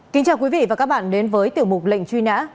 kính chào quý vị và các bạn đến với tiểu mục lệnh truy nã